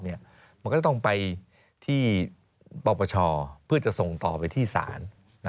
มันก็จะต้องไปที่ปปชเพื่อจะส่งต่อไปที่ศาล